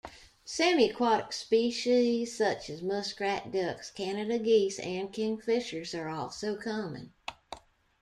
Semi-aquatic species such as muskrat, ducks, Canada geese and kingfishers are also common.